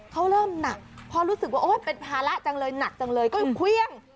เขาเริ่มหนักพอรู้สึกว่าโอ๊ยเป็นภาระจังเลยหนักจังเลยก็เลยเครื่อง